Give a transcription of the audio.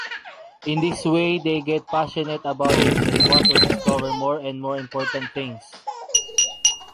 In this way they get passionate about it and want to discover more and more important things.